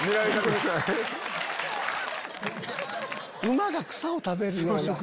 馬が草を食べるような。